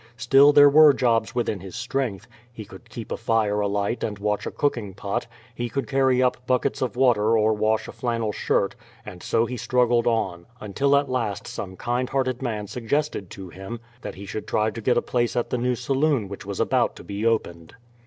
Still, there were jobs within his strength. He could keep a fire alight and watch a cooking pot, he could carry up buckets of water or wash a flannel shirt, and so he struggled on, until at last some kind hearted man suggested to him that he should try to get a place at the new saloon which was about to be opened.